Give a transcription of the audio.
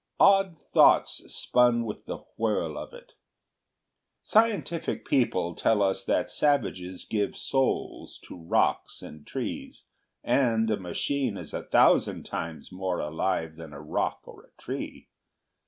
Odd thoughts spun with the whirl of it. Scientific people tell us that savages give souls to rocks and trees—and a machine is a thousand times more alive than a rock or a tree.